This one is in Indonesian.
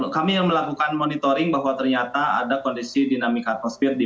kami melakukan monitoring bahwa ternyata ada kondisi dinamika atmosfer